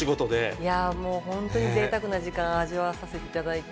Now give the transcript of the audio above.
もう本当にぜいたくな時間、味わわさせていただいて。